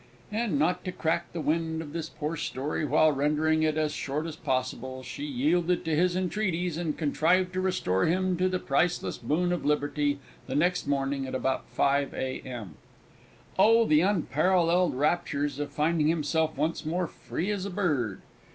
And, not to crack the wind of this poor story while rendering it as short as possible, she yielded to his entreaties and contrived to restore him to the priceless boon of liberty the next morning at about 5 A.M. Oh, the unparalleled raptures of finding himself once more free as a bird!